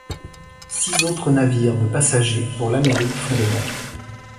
Six autres navires de passagers pour l'Amérique font de même.